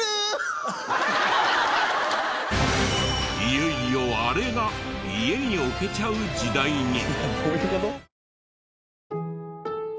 いよいよあれが家に置けちゃう時代に！